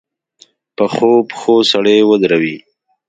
پخو پښو سړی ودرېږي